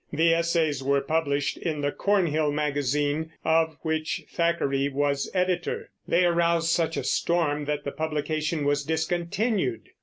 The essays were published in the Cornhill Magazine, of which Thackeray was editor, and they aroused such a storm that the publication was discontinued.